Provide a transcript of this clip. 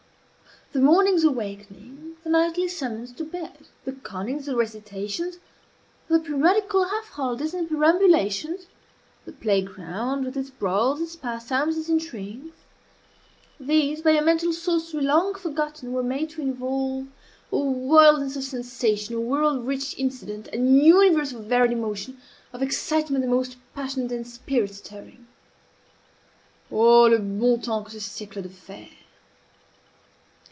The morning's awakening, the nightly summons to bed; the connings, the recitations; the periodical half holidays, and perambulations; the play ground, with its broils, its pastimes, its intrigues; these, by a mental sorcery long forgotten, were made to involve a wilderness of sensation, a world of rich incident, an universe of varied emotion, of excitement the most passionate and spirit stirring. "_Oh, le bon temps, que ce siècle de fer!